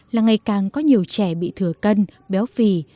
là ngày càng có nhiều trẻ bị thừa cân béo phì